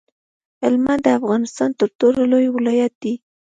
هلمند د افغانستان تر ټولو لوی ولایت دی